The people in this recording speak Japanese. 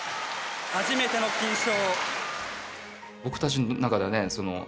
初めての金賞。